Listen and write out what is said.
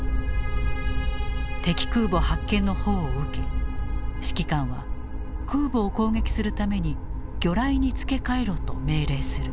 敵空母発見の報を受け指揮官は空母を攻撃するために魚雷に付け換えろと命令する。